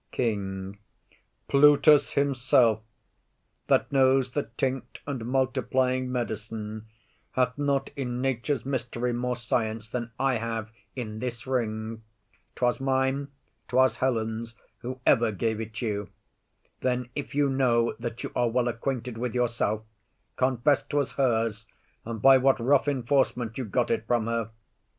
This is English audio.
KING. Plutus himself, That knows the tinct and multiplying medicine, Hath not in nature's mystery more science Than I have in this ring. 'Twas mine, 'twas Helen's, Whoever gave it you. Then if you know That you are well acquainted with yourself, Confess 'twas hers, and by what rough enforcement You got it from her.